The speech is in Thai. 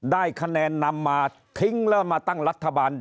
ได้คะแนนนำมาทิ้งแล้วมาตั้งรัฐบาล